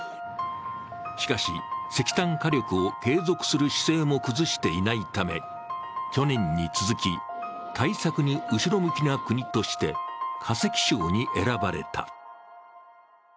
しかし、石炭火力を継続する姿勢も崩していないため去年に続き、対策に後ろ向きな国として化石賞に選ばれた。